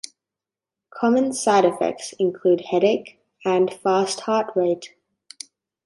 Common side effects include headache and fast heart rate.